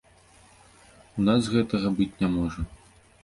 У нас гэтага быць не можа.